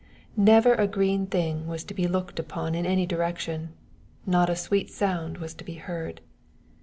Never a green thing was to be looked upon in any direction. Not a sweet sound was to be heard.